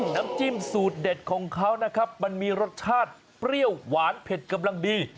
น้ำจิ้มสูตรเด็ดของเขานะครับมันมีรสชาติเปรี้ยวหวานเผ็ดกำลังดี